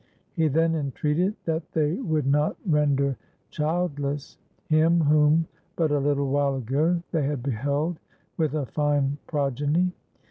He then entreated that they would not render childless him whom but a httle while ago they had beheld with a fine progeny.